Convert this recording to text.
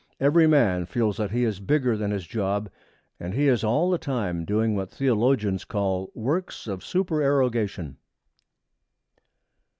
Every man feels that he is bigger than his job, and he is all the time doing what theologians call 'works of supererogation.'